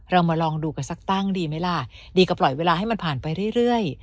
เรามาลองดูกันสักตั้งดีไหมล่ะดีกว่าปล่อยเวลาให้มันผ่านไปเรื่อย